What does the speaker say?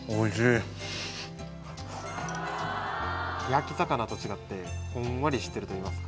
焼き魚と違ってふんわりしているといいます